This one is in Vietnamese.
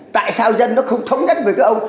tại sao dân nó không thống nhất với cái ông